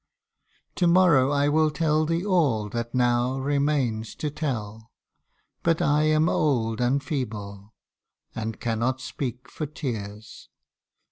To morrow I will tell thee all that now Remains to tell but I am old and feeble. And cannot speak for tears.